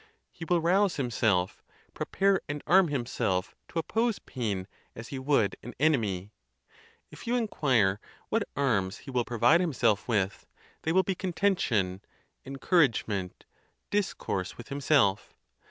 He will rouse himself, prepare and arm himself, to oppose pain as he would an enemy. If you inquire what arms he will provide himself with, they will be contention, encourage ment, discourse with himself.